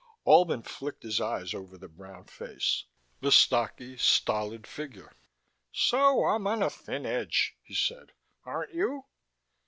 Albin flicked his eyes over the brown face, the stocky, stolid figure. "So I'm on a thin edge," he said. "Aren't you?"